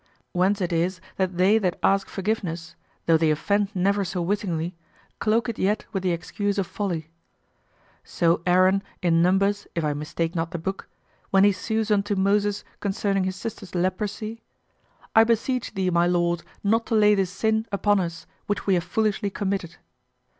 Whence it is that they that ask forgiveness, though they offend never so wittingly, cloak it yet with the excuse of folly. So Aaron, in Numbers, if I mistake not the book, when he sues unto Moses concerning his sister's leprosy, "I beseech thee, my Lord, not to lay this sin upon us, which we have foolishly committed."